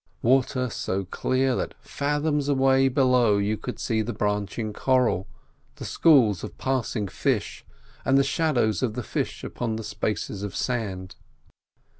Water so clear that fathoms away below you could see the branching coral, the schools of passing fish, and the shadows of the fish upon the spaces of sand.